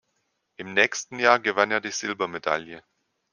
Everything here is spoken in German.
Im nächsten Jahr gewann er die Silbermedaille.